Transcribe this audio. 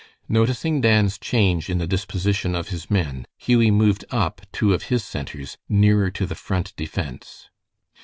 Noticing Dan's change in the disposition of his men, Hughie moved up two of his centers nearer to the Front defense.